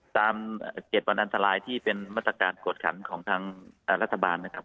๗วันอันตรายที่เป็นมาตรการกวดขันของทางรัฐบาลนะครับ